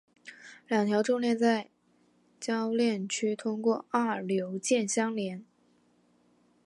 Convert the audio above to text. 两条重链在铰链区通过二硫键相连。